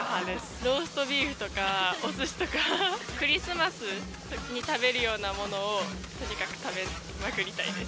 ローストビーフとかおすしとか、クリスマスに食べるようなものをとにかく食べまくりたいです。